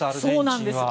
そうなんです。